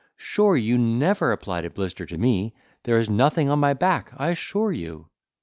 sure you never applied a blister to me—there is nothing on my back, I assure you."